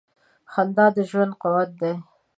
• خندا د ژوند قوت دی.